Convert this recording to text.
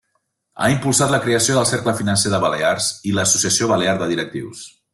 Ha impulsat la creació del Cercle Financer de Balears i l’Associació Balear de Directius.